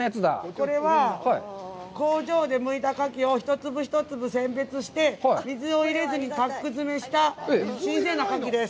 これは工場でむいたカキを一粒一粒選別して水を入れずにパック詰めした新鮮なカキです。